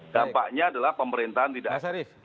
dampaknya adalah pemerintahan tidak